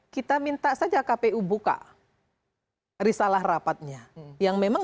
kita minta saja kpu buka risalah rapatnya yang memang